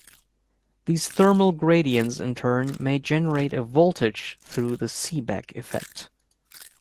These thermal gradients in turn may generate a voltage through the Seebeck effect.